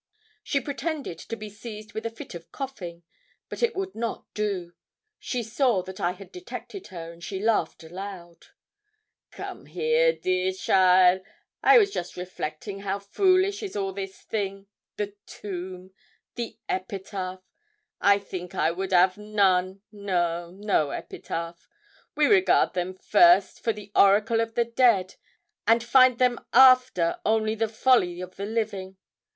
She pretended to be seized with a fit of coughing. But it would not do: she saw that I had detected her, and she laughed aloud. 'Come here, dear cheaile. I was just reflecting how foolish is all this thing the tomb the epitaph. I think I would 'av none no, no epitaph. We regard them first for the oracle of the dead, and find them after only the folly of the living.